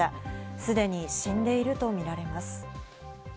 すでに死んでいるとみられます。